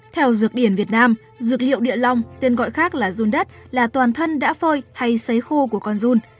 theo dược điển việt nam dược liệu địa lòng tên gọi khác là dung đất là toàn thân đã phơi hay xấy khô của con dung